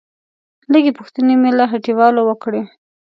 لږې پوښتنې مې له هټيوالو وکړې.